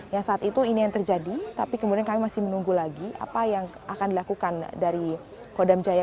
ya saat itu ini yang terjadi tapi kemudian kami masih menunggu lagi apa yang akan dilakukan dari kodam jaya